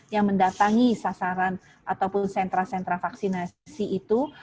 yang mendatangi sasaran ataupun sentra sentra vaksinasi itu